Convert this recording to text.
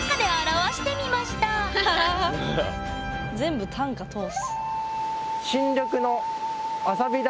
全部短歌通す。